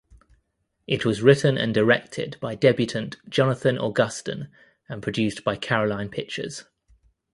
It was written and directed by debutant Jonathan Augustin and produced by Caroline Pictures.